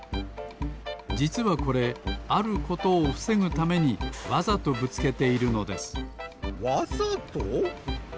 じつはこれあることをふせぐためにわざとぶつけているのですわざと？